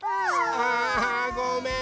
あごめんね。